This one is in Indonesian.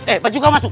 eh baju kau masuk